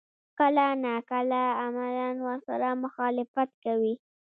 کله نا کله عملاً ورسره مخالفت کوي.